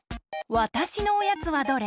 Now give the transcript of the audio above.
わたしのおやつはどれ？